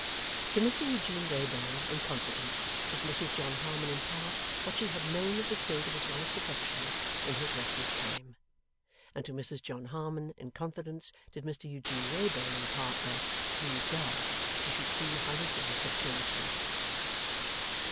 To Mr Eugene Wrayburn, in confidence, did Mrs John Harmon impart what she had known of the state of his wife's affections, in his reckless time. And to Mrs John Harmon, in confidence, did Mr Eugene Wrayburn impart that, please God, she should see how his wife had changed him!